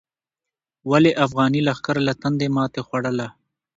ولې افغاني لښکر له تندې ماتې خوړله؟